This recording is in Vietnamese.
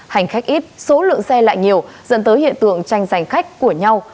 hành khách ít số lượng xe lại nhiều dẫn tới hiện tượng tranh giành khách của nhau